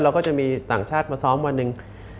ก็จะมีต่างชาติมาซ้อมวันหนึ่ง